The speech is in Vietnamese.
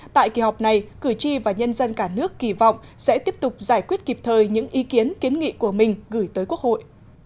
tại kỳ họp này cử tri và nhân dân cả nước kỳ vọng sẽ tiếp tục giải quyết kịp thời những ý kiến kiến nghị của mình gửi tới quốc hội